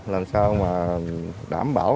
làm sao đảm bảo